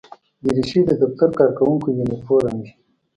دریشي د دفتر کارکوونکو یونیفورم وي.